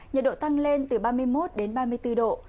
nhiệt độ tăng lên từ ba mươi một đến ba mươi bốn độ